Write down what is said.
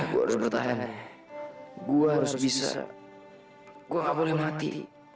gua harus bertahan gua harus bisa gua gak boleh mati